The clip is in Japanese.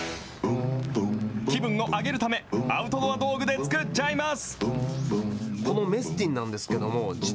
気分を上げるため、アウトドア道具で作っちゃいます。